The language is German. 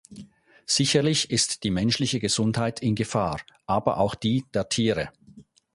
Sicherlich ist die menschliche Gesundheit in Gefahr, aber auch die der Tiere.